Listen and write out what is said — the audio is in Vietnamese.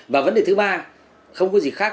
và vấn đề thứ ba không có gì khác